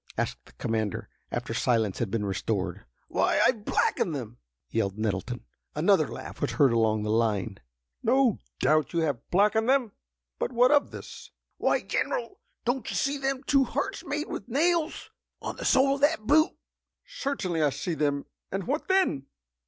asked the commander, after silence had been restored. "Why, I've blacked them!" yelled Nettleton. Another laugh was heard along the line. "No doubt you have blacked them. But what of this?" "Why, General, don't you see them two hearts made with nails, on the sole of that boot?" "Certainly I see them. And what then?"